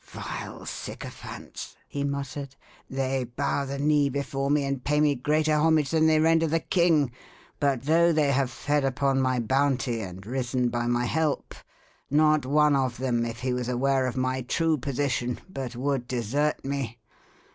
"Vile sycophants!" he muttered, "they bow the knee before me, and pay me greater homage than they render the king, but though they have fed upon my bounty and risen by my help, not one of them, if he was aware of my true position, but would desert me.